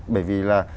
bởi vì là